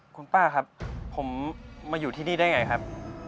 คุณป้าครับผมมาอยู่ที่นี่ได้ไงครับ